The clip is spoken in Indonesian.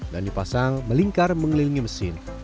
dan dipasang melingkar mengelilingi mesin